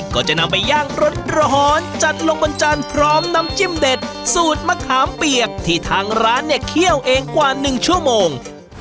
ก็จะนำไปย่างร้อนจัดลงบนจานพร้อมน้ำจิ้มเด็ดสูตรมะขามเปียกที่ทางร้านเนี่ยเคี่ยวเองกว่า๑ชั่วโมง